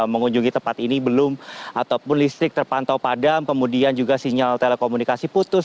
mengunjungi tempat ini belum ataupun listrik terpantau padam kemudian juga sinyal telekomunikasi putus